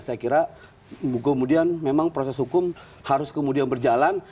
saya kira kemudian memang proses hukum harus kemudian berjalan